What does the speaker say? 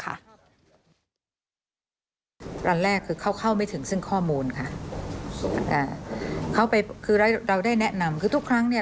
การสงสัยประชาชาติว่าสิทธิเป็นของยาด